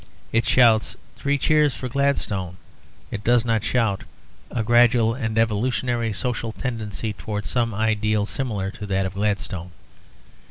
It shouts "Three cheers for Gladstone," it does not shout "A gradual and evolutionary social tendency towards some ideal similar to that of Gladstone."